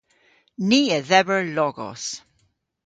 Ni a dheber logos.